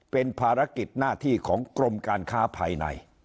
เป็นภารกิจหน้าที่ของกรมการค้าภายใน